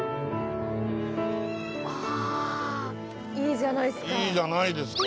あいいじゃないっすか。